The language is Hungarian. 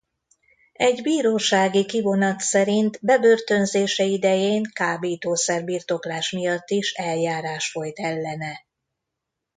Egy bírósági kivonat szerint bebörtönzése idején kábítószer-birtoklás miatt is eljárás folyt ellene.